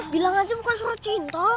bilang aja bukan seru cinta